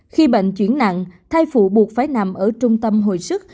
khi bệnh chuyển nặng thai phụ buộc phải nằm ở trung tâm hồi sức